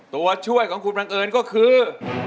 ตัวช่วยของคุณบังเอิญก็คือ